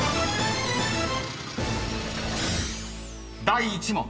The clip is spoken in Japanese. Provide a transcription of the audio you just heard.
［第１問］